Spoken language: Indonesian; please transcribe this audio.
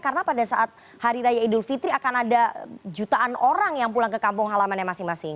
karena pada saat hari raya idul fitri akan ada jutaan orang yang pulang ke kampung halaman yang masing masing